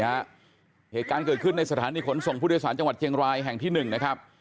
จากกายานยนต์นี่ฮะเหตุการณ์เกิดขึ้นในสถานที่ขนส่งผู้โดยสารจังหวัดเจียงรายแห่งที่๑นะครับ